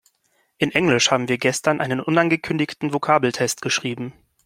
In Englisch haben wir gestern einen unangekündigten Vokabeltest geschrieben.